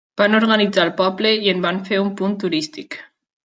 Van organitzar el poble i en van fer un punt turístic.